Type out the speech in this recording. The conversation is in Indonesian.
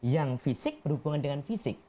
yang fisik berhubungan dengan fisik